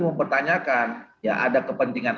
mempertanyakan ya ada kepentingan